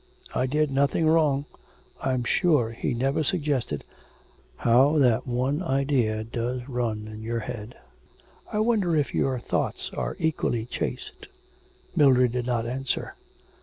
I did nothing wrong. I'm sure he never suggested ' 'How that one idea does run in your head. I wonder if your thoughts are equally chaste.' Mildred did not answer.